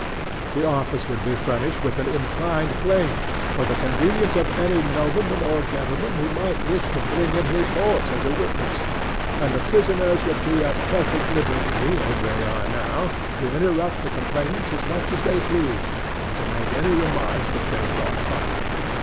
This office would be furnished with an inclined plane, for the convenience of any nobleman or gentleman who might wish to bring in his horse as a witness; and the prisoners would be at perfect liberty, as they were now, to interrupt the complainants as much as they pleased, and to make any remarks that they thought proper.